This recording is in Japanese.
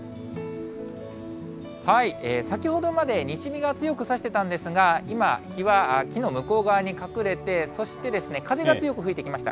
先ほどまで西日が強く差してたんですが、今、日は木の向こう側に隠れて、そして風が強く吹いてきました。